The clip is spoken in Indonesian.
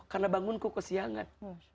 karena bangunku kesiangan